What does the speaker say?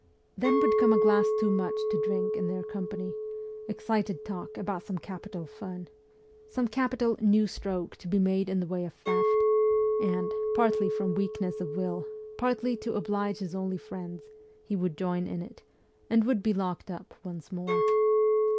Then would come a glass too much of drink in their company, excited talk about some capital fun some capital ' new stroke ' to be made in the way of theft and, partly from weakness of will, partly to oblige his only friends, he would join in it, and would be locked up once more.